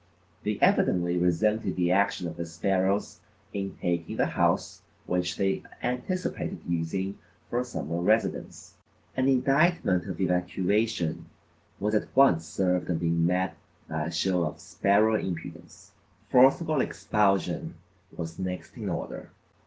They evidently resented the action of the sparrows in taking the house which they anticipated using for a summer residence. An indictment of evacuation was at once served and being met by a show of sparrow impudence, forcible expulsion was next in order.